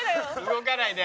動かないで。